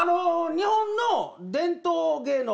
日本の伝統芸能